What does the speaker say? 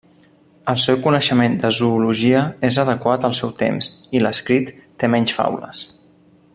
El seu coneixement de zoologia és adequat al seu temps, i l'escrit té menys faules.